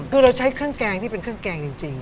คือเราใช้เครื่องแกงที่เป็นเครื่องแกงจริง